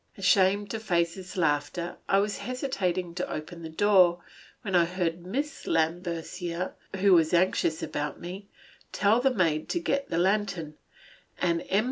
Ashamed to face his laughter, I was hesitating to open the door, when I heard Miss Lambercier, who was anxious about me, tell the maid to get the lantern, and M.